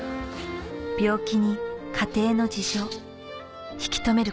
病気に家庭の事情引き留める